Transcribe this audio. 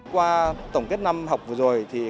qua tổng kết năm học vừa rồi